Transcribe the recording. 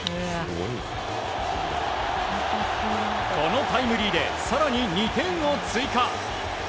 このタイムリーで更に２点を追加。